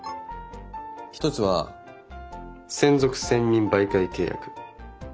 １つは「専属専任媒介契約」。